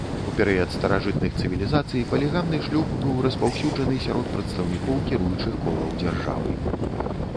У перыяд старажытных цывілізацый палігамны шлюб быў распаўсюджаны сярод прадстаўнікоў кіруючых колаў дзяржавы.